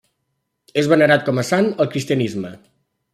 És venerat com a sant al cristianisme.